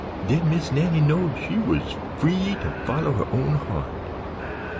Den Miss Nannie knowed she was free to follow her own heart.